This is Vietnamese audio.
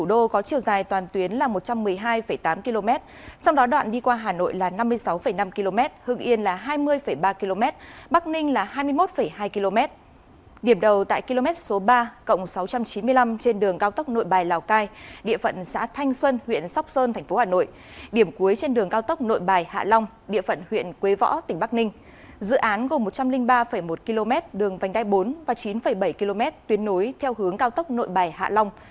dự án gồm một trăm linh ba một km đường vành đai bốn và chín bảy km tuyến nối theo hướng cao tốc nội bài hạ long